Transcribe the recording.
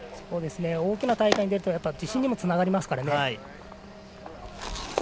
大きな大会に出ると自信にもつながりますからね。